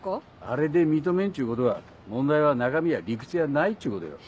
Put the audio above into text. あれで認めんっちゅうことは問題は中身や理屈やないっちゅうことよ。